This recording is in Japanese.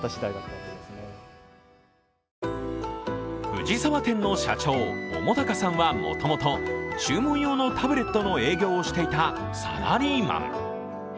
藤沢店の社長、澤潟さんはもともと注文用のタブレットの営業をしていたサラリーマン。